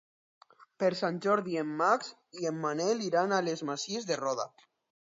Per Sant Jordi en Max i en Manel iran a les Masies de Roda.